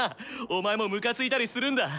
お前もムカついたりするんだ？